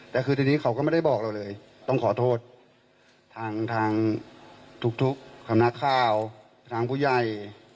แต่คือทีนี้เขาก็ไม่ได้บอกเราเลยต้องขอโทษทางทุกสำนักข่าวทางผู้ใหญ่